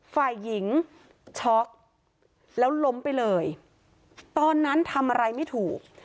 ฝ่ายหญิงช็อกแล้วล้มไปเลยตอนนั้นทำอะไรไม่ถูก